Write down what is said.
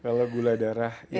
kalau gula darah yang